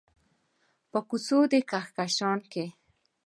په کوڅو د کهکشان کې